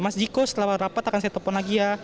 mas jiko setelah rapat akan saya telepon lagi ya